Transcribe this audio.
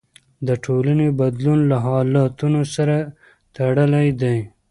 د ټولنې بدلون له حالتونو سره تړلی دی.